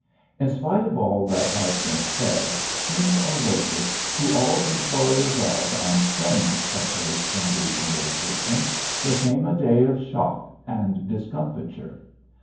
In spite of all that has been said, sooner or later, to all employers of and friends of this engaging little person, there came a day of shock and discomfiture.